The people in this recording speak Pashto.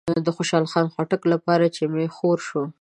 د خوشحال خټک لپاره چې می خور شو